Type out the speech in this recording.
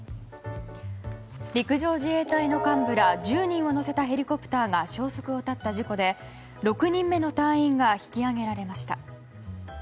陸上自衛隊の幹部ら１０人を乗せたヘリコプターが消息を絶った事故で６人目の隊員が引き揚げられました。